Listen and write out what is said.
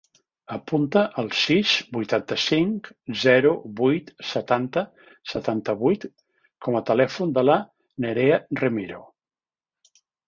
Apunta el sis, vuitanta-cinc, zero, vuit, setanta, setanta-vuit com a telèfon de la Nerea Remiro.